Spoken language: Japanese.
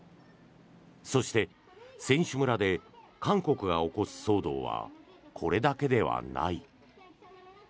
そして、選手村で韓国が起こす騒動はこれだけではない。